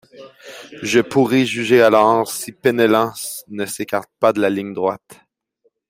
Je pourrai juger alors si Penellan ne s’écarte pas de la ligne droite.